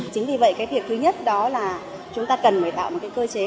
chính vì vậy việc thứ nhất đó là chúng ta cần phải tạo một cơ chế